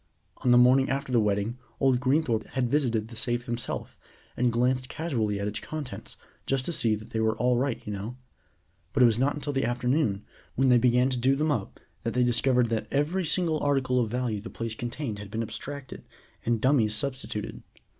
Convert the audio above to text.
On the morning after the wedding old Greenthorpe had visited the safe himself, and glanced casually at its contents, just to see that they were all right, you know; but it was not until the afternoon, when they began to do them up, that they discovered that every single article of value the place contained had been abstracted, and dummies substituted.